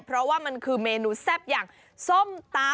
เพราะว่ามันคือเมนูแซ่บอย่างส้มตำ